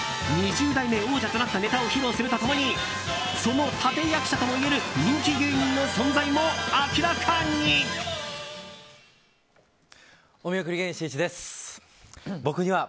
２０代目王者となったネタを披露すると共にその立役者ともいえる人気芸人の存在も明らかに。